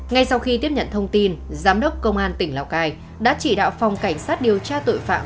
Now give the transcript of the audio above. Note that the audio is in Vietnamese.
ngay sau khi tiếp nhận thông tin giám đốc công an tỉnh lào cai đã chỉ đạo phòng cảnh sát điều tra tội phạm